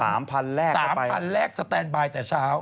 แรกสามพันแรกสแตนบายแต่เช้า